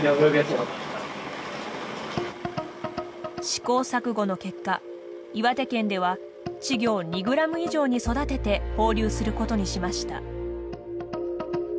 試行錯誤の結果岩手県では稚魚を２グラム以上に育てて放流することにしました。